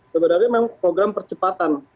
sebenarnya memang program percepatan